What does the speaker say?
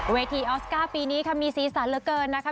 ออสการ์ปีนี้ค่ะมีสีสันเหลือเกินนะคะ